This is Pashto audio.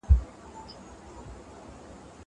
هغه وويل چي کتابتون ارام دی.